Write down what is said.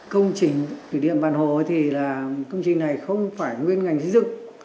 công trình thủy điện bản hồ thì là công trình này không phải nguyên ngành xây dựng